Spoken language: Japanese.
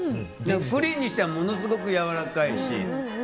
プリンにしてはものすごくやわらかいし。